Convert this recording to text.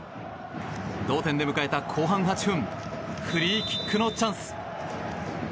同点で迎えた後半８分フリーキックのチャンス。